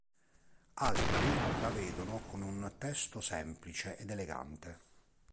Altri la vedono come un testo semplice ed elegante.